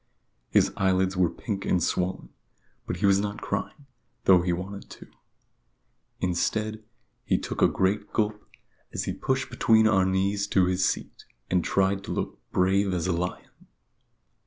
His eyelids were pink and swollen; but he was not crying, though he wanted to. Instead, he took a great gulp, as he pushed between our knees to his seat, and tried to look brave as a lion.